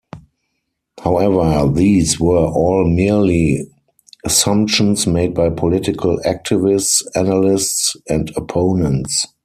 However these were all merely assumptions made by political activists, analysts, and opponents.